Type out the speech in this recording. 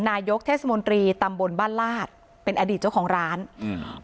นายกเทศมนตรีตำบลบ้านลาดเป็นอดีตเจ้าของร้านอืม